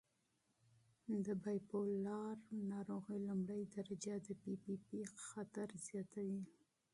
د بایپولار ناروغۍ لومړۍ درجه د پي پي پي خطر زیاتوي.